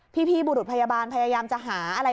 พี่บุรุษพยาบาลพยายามจะหาอะไร